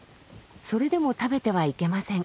それでも食べてはいけません。